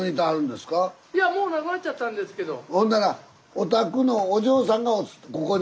ほんならお宅のお嬢さんがここに？